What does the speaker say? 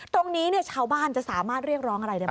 ตรงนี้ชาวบ้านจะสามารถเรียกร้องอะไรได้ไหม